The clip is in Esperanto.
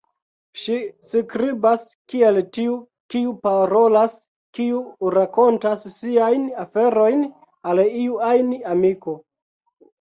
Ŝi skribas kiel tiu kiu parolas, kiu rakontas siajn aferojn al iu ajn amiko.